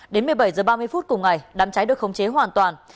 đến một mươi bảy h ba mươi phút cùng ngày đám cháy được khống chế hoàn toàn